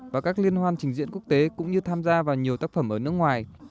và các liên hoan trình diễn quốc tế cũng như tham gia vào nhiều tác phẩm ở nước ngoài